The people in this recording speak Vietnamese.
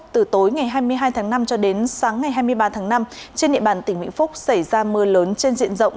từ tối ngày hai mươi hai tháng năm cho đến sáng ngày hai mươi ba tháng năm trên địa bàn tỉnh vĩnh phúc xảy ra mưa lớn trên diện rộng